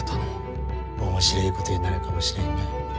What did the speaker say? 面白えことになるかもしれんがや。